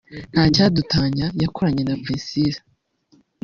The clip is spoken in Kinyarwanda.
Ntacyadutanya yakoranye na Priscillah